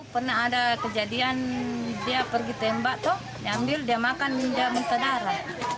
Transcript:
pernah ada kejadian dia pergi tembak toh diambil dia makan saudara